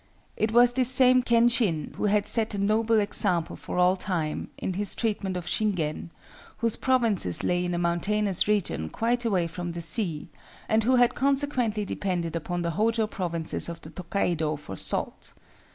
It was this same Kenshin who had set a noble example for all time, in his treatment of Shingen, whose provinces lay in a mountainous region quite away from the sea, and who had consequently depended upon the Hōjō provinces of the Tokaido for salt.